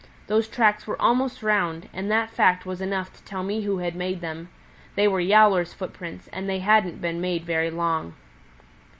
Those tracks were almost round, and that fact was enough to tell me who had made them. They were Yowler's footprints, and they hadn't been made very long.